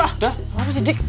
kenapa sih jidik